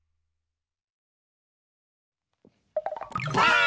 ばあっ！